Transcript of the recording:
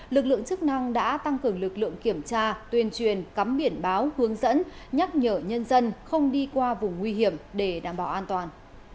lực lượng chức năng đã tăng cường lực lượng kiểm tra tuyên truyền cắm biển báo hướng dẫn nhắc nhở nhân dân không đi qua vùng nguy hiểm để đảm bảo an toàn